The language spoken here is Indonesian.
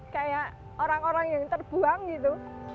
kayak orang orang yang terbuang gitu